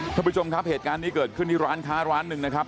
ท่านผู้ชมครับเหตุการณ์นี้เกิดขึ้นที่ร้านค้าร้านหนึ่งนะครับ